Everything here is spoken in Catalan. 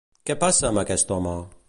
Què passa amb aquest home?